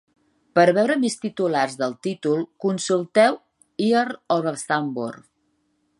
Per veure més titulars del títol, consulteu "Earl of Stamford"